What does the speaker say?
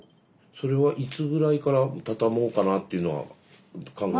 それはいつぐらいから畳もうかなというのは考えてらしたんですか？